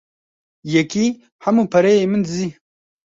Yekî hemû pereyê min dizî.